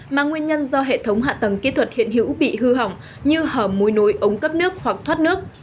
mà nguyên nhân do hệ thống hạ tầng kỹ thuật hiện hữu bị hư hỏng như hở mối ống cấp nước hoặc thoát nước